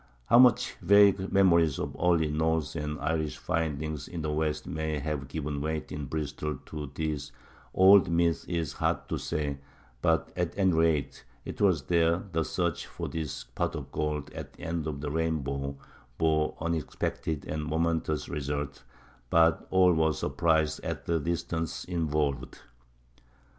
How much vague memories of early Norse and Irish findings in the west may have given weight in Bristol to these old myths is hard to say; but at any rate it was there the search for this pot of gold at the end of the rainbow bore unexpected and momentous results, but all were surprised at the distance involved.